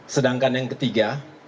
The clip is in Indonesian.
sedangkan yang ketiga